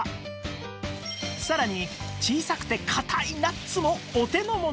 さらに小さくて硬いナッツもお手のもの